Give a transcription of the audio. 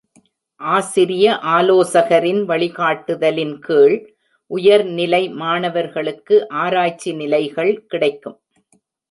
ஆசிரிய ஆலோசகரின் வழிகாட்டுதலின் கீழ் உயர்நிலை மாணவர்களுக்கு ஆராய்ச்சி நிலைகள் கிடைக்கும்.